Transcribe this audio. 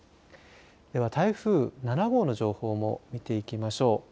では台風７号の情報も見ていきましょう。